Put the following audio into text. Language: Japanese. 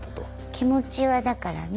気持ちはだからね